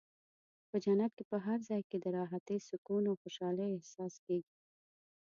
په جنت کې په هر ځای کې د راحتۍ، سکون او خوشحالۍ احساس کېږي.